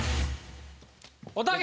おたけ！